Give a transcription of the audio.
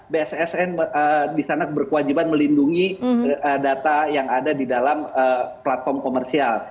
bssn di sana berkewajiban melindungi data yang ada di dalam platform komersial